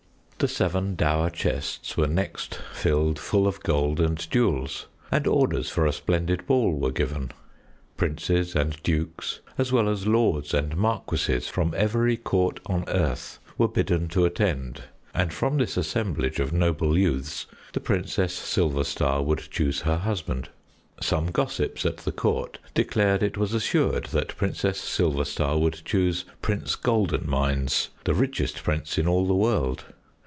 The seven dower chests were next filled full of gold and jewels, and orders for a splendid ball were given. Princes and dukes as well as lords and marquises from every court on earth were bidden to attend, and from this assemblage of noble youths, the Princess Silverstar would choose her husband. Some gossips at the court declared it was assured that Princess Silverstar would choose Prince Goldenmines, the richest prince in all the world.